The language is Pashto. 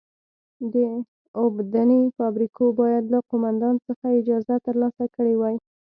د اوبدنې فابریکو باید له قومندان څخه اجازه ترلاسه کړې وای.